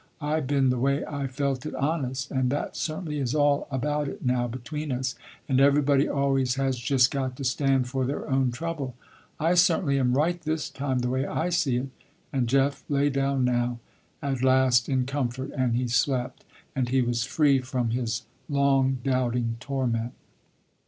I been the way I felt it honest, and that certainly is all about it now between us, and everybody always has just got to stand for their own trouble. I certainly am right this time the way I see it." And Jeff lay down now, at last in comfort, and he slept, and he was free from his long doubting torment.